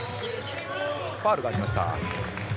ファウルがありました。